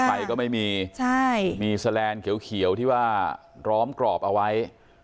ไฟก็ไม่มีมีแสลนด์เขียวที่ว่าล้อมกรอบเอาไว้